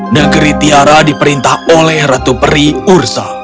negeri tiara diperintah oleh ratu peri ursa